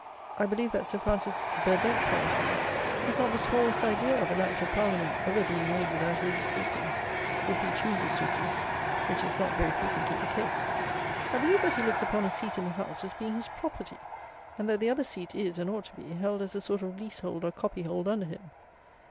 I believe that Sir Francis Burdett, for instance, has not the smallest idea of an Act of Parliament ever being made without his assistance, if he chooses to assist, which is not very frequently the case. I believe that he looks upon a seat in the House as being his property; and that the other seat is, and ought to be, held as a sort of leasehold or copyhold under him.